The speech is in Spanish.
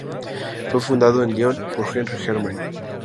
Fue fundado en Lyon por Henri Germain.